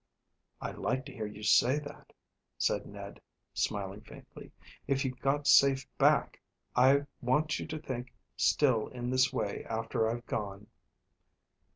"I like to hear you say that," said Ned, smiling faintly. "If you get safe back I want you to think still in this way after I've gone."